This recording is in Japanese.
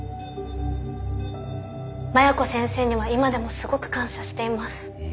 麻弥子先生には今でもすごく感謝しています。